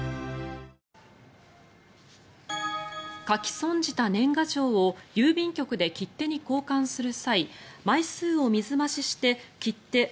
書き損じた年賀状を郵便局で切手に交換する際枚数を水増しして切手